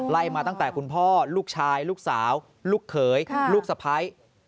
มาตั้งแต่คุณพ่อลูกชายลูกสาวลูกเขยลูกสะพ้าย